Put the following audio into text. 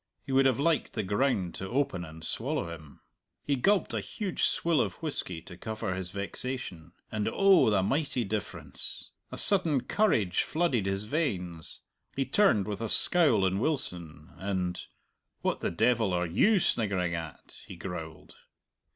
He would have liked the ground to open and swallow him. He gulped a huge swill of whisky to cover his vexation; and oh, the mighty difference! A sudden courage flooded his veins. He turned with a scowl on Wilson, and, "What the devil are you sniggering at?" he growled.